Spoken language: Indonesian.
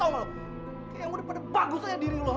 kayak yang udah pada bagus aja diri lo